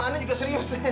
oh anda juga serius